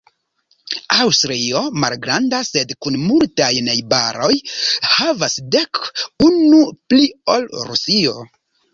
Aŭstrio, malgranda, sed kun multaj najbaroj, havas dek, unu pli ol Rusio.